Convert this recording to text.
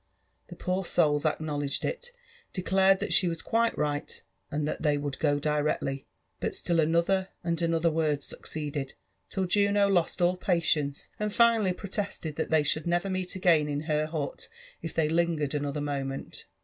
The poor souls acluiowledged it, declared that she was quilQ right, and lliat they would go directly ; but still another and another word succeeded, till Juno lost all patience, and finally protested that they should never meet again in her hut if they lingered another moment.